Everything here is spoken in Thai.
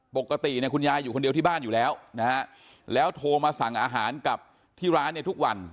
ปกติเนี่ยคุณยายอยู่คนเดียวที่บ้านอยู่แล้วนะฮะแล้วโทรมาสั่งอาหารกับที่ร้านเนี่ยทุกวัน